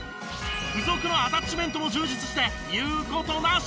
付属のアタッチメントも充実して言う事なし！